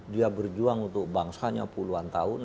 dia berjuang untuk bangsanya puluhan tahun